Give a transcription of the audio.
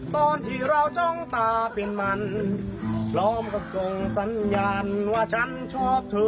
ตอนที่เราจ้องตาเป็นมันพร้อมกับส่งสัญญาณว่าฉันชอบเธอ